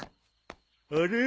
あれ？